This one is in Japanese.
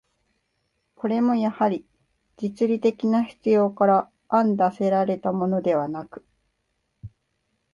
これもやはり、実利的な必要から案出せられたものではなく、